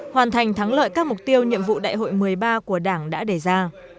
hoàn thành thắng lợi các mục tiêu nhiệm vụ đại hội một mươi ba của đảng đã đề ra